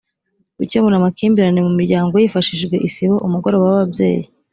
gukemura amakimbirane mu muryango hifashishijwe isibo, umugoroba w’ababyeyi